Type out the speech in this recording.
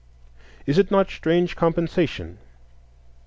Is it not strange compensation?